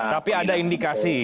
tapi ada indikasi